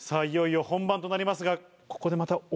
いよいよ本番となりますがここでまた。